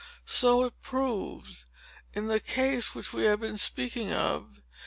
So it proved, in the case which we have been speaking of.